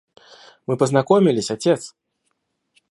Мы познакомились, отец!